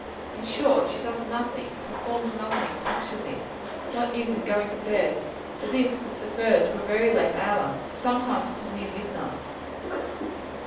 In short, she does nothing, and performs nothing, punctually, not even going to bed; for this is deferred to a very late hour sometimes till near midnight.